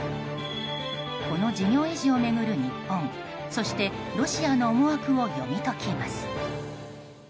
この事業維持を巡る日本そして、ロシアの思惑を読み解きます。